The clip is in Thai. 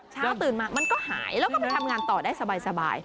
ตื่นมามันก็หายแล้วก็ไปทำงานต่อได้สบาย